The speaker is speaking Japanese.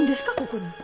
ここに。